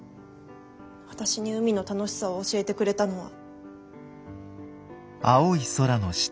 私に海の楽しさを教えてくれたのは。